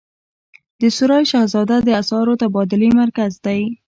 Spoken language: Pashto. د سرای شهزاده د اسعارو تبادلې مرکز دی